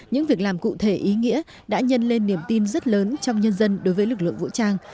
những việc làm cụ thể ý nghĩa đã nhân lên niềm tin rất lớn trong nhân dân đối với lực lượng vũ trang